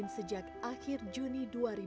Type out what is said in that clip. sejak akhir juni dua ribu dua puluh